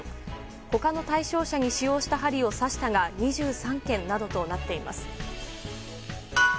他の対象者に使用した針を刺したが２３件などとなっています。